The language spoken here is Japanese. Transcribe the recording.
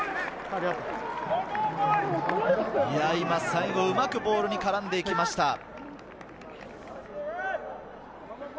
今、最後うまくボールに絡んでいきました。